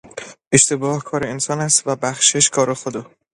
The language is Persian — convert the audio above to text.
اشتباه کار انسان است و بخشش کار خدا